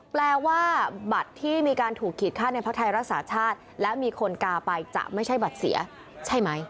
แปลว่าบัตรที่มีการถูกขีดค่าในพักไทยรักษาชาติและมีคนกาไปจะไม่ใช่บัตรเสียใช่ไหม